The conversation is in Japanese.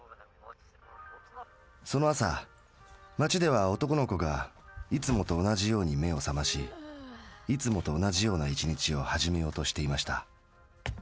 その朝町では男の子がいつもと同じように目を覚ましいつもと同じような一日をはじめようとしていました。